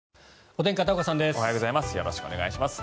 おはようございます。